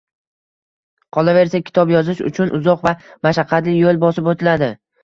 Qolaversa, kitob yozish uchun uzoq va mashaqqatli yo‘l bosib o‘tiladi.